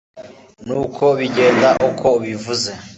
nuko bigenda uko ubivuze